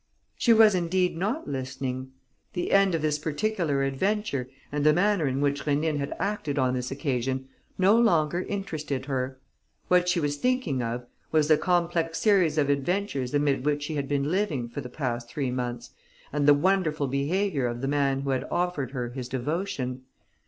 She was indeed not listening. The end of this particular adventure and the manner in which Rénine had acted on this occasion no longer interested her. What she was thinking of was the complex series of adventures amid which she had been living for the past three months and the wonderful behaviour of the man who had offered her his devotion.